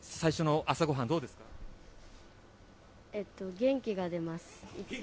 元気が出ます。